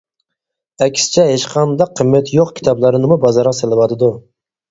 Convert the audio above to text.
ئەكسىچە ھېچقانداق قىممىتى يوق كىتابلارنىمۇ بازارغا سېلىۋاتىدۇ.